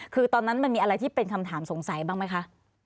คือตอนนั้นมันมีอะไรที่เป็นคำถามสงสัยบ้างไหมคะ